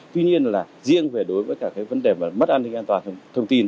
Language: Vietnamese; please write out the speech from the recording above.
tuy nhiên là riêng về đối với cả cái vấn đề mất an ninh an toàn thông tin